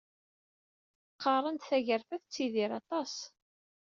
Qqaren-d tagarfa tettidir aṭas.